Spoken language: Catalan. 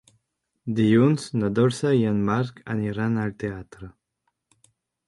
Dilluns na Dolça i en Marc aniran al teatre.